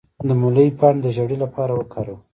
د مولی پاڼې د زیړي لپاره وکاروئ